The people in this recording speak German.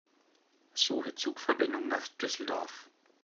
Suche Zugverbindungen nach Düsseldorf.